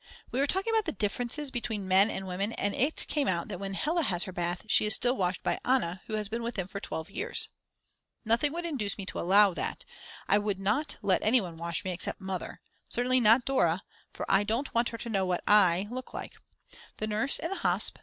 We were talking about the differences between men and women, and it came out that when Hella has her bath she is still washed by Anna who has been with them for 12 years. Nothing would induce me to allow that, I would not let anyone wash me, except Mother; certainly not Dora, for I don't want her to know what I look like. The nurse in the hosp.